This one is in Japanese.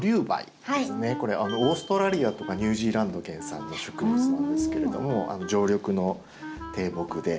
これオーストラリアとかニュージーランド原産の植物なんですけれども常緑の低木で。